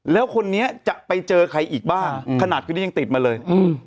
แล้วคนนี้จะไปเจอใครอีกบ้างขนาดคนนี้ยังติดมาเลย